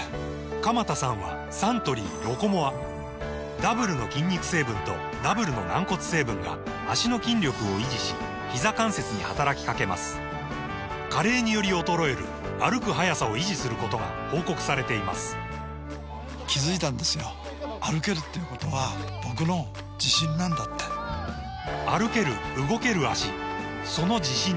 鎌田さんはサントリー「ロコモア」ダブルの筋肉成分とダブルの軟骨成分が脚の筋力を維持しひざ関節に働きかけます加齢により衰える歩く速さを維持することが報告されています歩ける動ける脚その自信に筋肉成分と軟骨成分